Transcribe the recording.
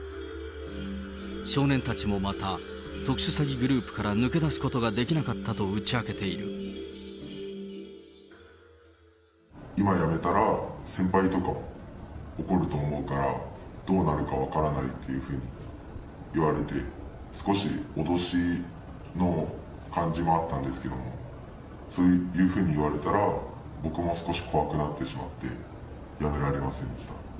少年たちもまた、特殊詐欺グループから抜け出すことができなかったと打ち明けてい今やめたら、先輩とかも怒ると思うから、どうなるか分からないっていうふうに言われて、少し脅しの感じもあったんですけど、そういうふうに言われたら、僕も少し怖くなってしまって、やめられませんでした。